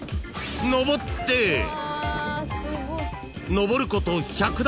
［上ること１００段］